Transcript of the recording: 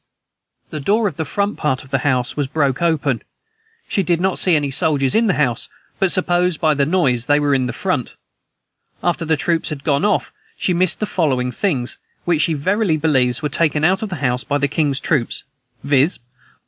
The door of the front part of the house was broke open; she did not see any soldiers in the house, but supposed, by the noise, they were in the front. After the troops had gone off, she missed the following things, which, she verily believes, were taken out of the house by the king's troops, viz.